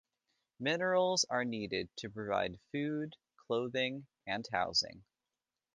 Minerals are needed to provide food, clothing, and housing.